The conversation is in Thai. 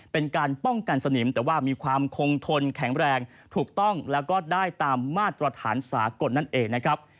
เป็นการป้องกันสนิมแต่ว่ามีความคงทนแข็งแรงถูกต้องแล้วก็ได้ตามมาตรฐานสากลนั่นเองนะครับ